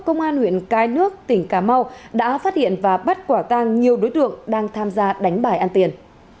công an huyện cai đước tỉnh cà mau đã phát hiện và bắt quả tăng nhiều đối tượng đang tham gia đánh bài ăn tiền